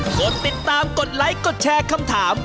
กดติดตามกดไลค์กดแชร์คำถาม